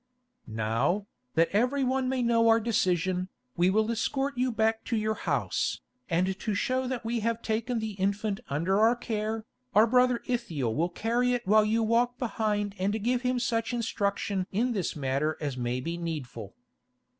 "Now, that every one may know our decision, we will escort you back to your house, and to show that we have taken the infant under our care, our brother Ithiel will carry it while you walk behind and give him such instruction in this matter as may be needful."